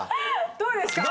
どうですか？